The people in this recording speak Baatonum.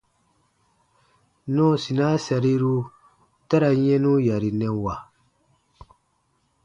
Nɔɔsinaa sariru ta ra yɛnu yarinɛwa.